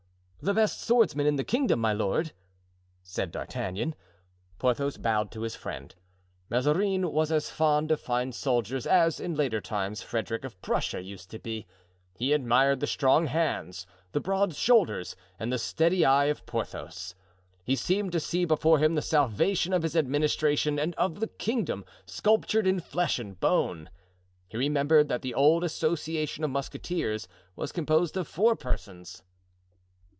"The best swordsman in the kingdom, my lord," said D'Artagnan. Porthos bowed to his friend. Mazarin was as fond of fine soldiers as, in later times, Frederick of Prussia used to be. He admired the strong hands, the broad shoulders and the steady eye of Porthos. He seemed to see before him the salvation of his administration and of the kingdom, sculptured in flesh and bone. He remembered that the old association of musketeers was composed of four persons.